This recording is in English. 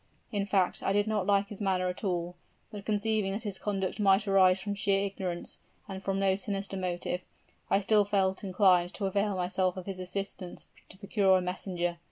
In fact, I did not like his manner at all; but conceiving that his conduct might arise from sheer ignorance, and from no sinister motive, I still felt inclined to avail myself of his assistance to procure a messenger.